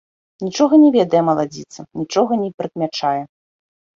Нічога не ведае маладзіца, нічога не прыкмячае.